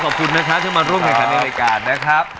ขอบคุณนะครับที่มาร่วมแข่งขันในรายการนะครับ